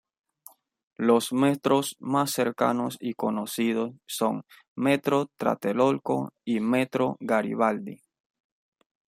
Los metros más cercanos y conocidos son metro Tlatelolco y metro Garibaldi.